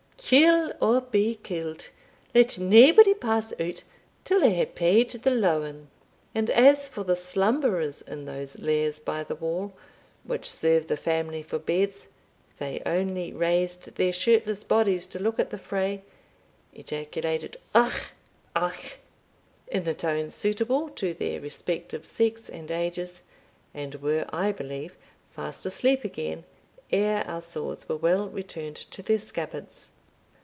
kill or be killed, let naebody pass out till they hae paid the lawin." And as for the slumberers in those lairs by the wall, which served the family for beds, they only raised their shirtless bodies to look at the fray, ejaculated, "Oigh! oigh!" in the tone suitable to their respective sex and ages, and were, I believe, fast asleep again, ere our swords were well returned to their scabbards.